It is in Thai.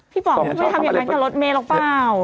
ป๋องไม่ทำอย่างนั้นกับรถเมย์หรอกเปล่า